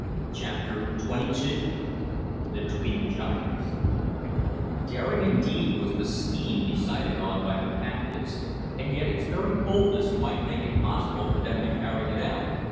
CHAPTER XXII THE TWIN GIANTS Daring indeed was the scheme decided on by the captives, and yet its very boldness might make it possible for them to carry it out.